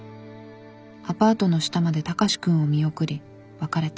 アパートの下まで高志くんを見送り別れた。